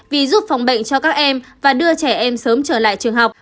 vì giúp phòng bệnh cho các em và đưa trẻ em sớm trở lại trường học